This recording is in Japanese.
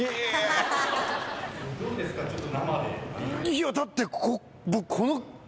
いやだって僕この。